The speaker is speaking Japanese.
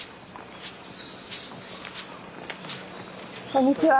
こんにちは。